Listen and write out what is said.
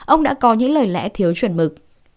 ông đã có những lời lẽ thiếu chuẩn mực